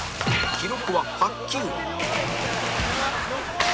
記録は８球